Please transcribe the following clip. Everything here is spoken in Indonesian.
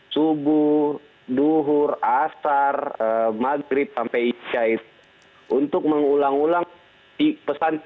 subuh duhur asar maghrib sampai isya'id untuk mengulang ulang pesan pesan itu